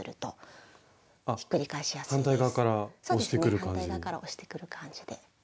反対側から押してくる感じで。